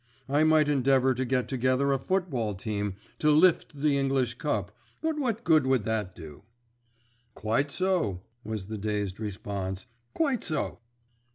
I might endeavour to get together a football team to 'lift' the English Cup; but what good would that do?" "Quite so," was the dazed response, "quite so."